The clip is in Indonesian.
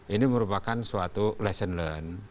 ini merupakan suatu lesson learned